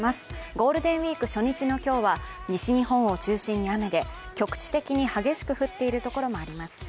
ゴールデンウイーク初日の今日は西日本を中心に雨で局地的に激しく降っているところもあります。